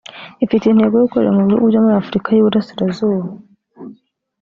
ifite intego yo gukorera mu bihugu byo muri Afurika y’Uburasirazuba